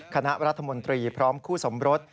คณะรัฐมนตรีพร้อมคู่สมรส